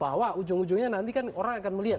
bahwa ujung ujungnya nanti kan orang akan melihat